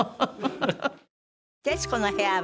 『徹子の部屋』は